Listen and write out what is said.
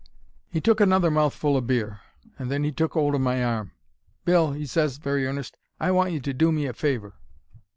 "He took another mouthful o' beer, and then he took 'old of my arm. 'Bill,' he ses, very earnest, 'I want you to do me a favour.'